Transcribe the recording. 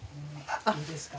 いいですか？